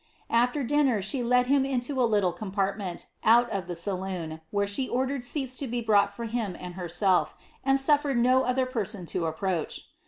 '' .Mw dinner, she led him into a hllle comparimenl, out of the saloon, whert she ordered seats to be brought for him and herself, and suflered no other person to approach.